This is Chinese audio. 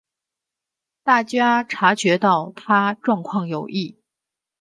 大家察觉到她状况有异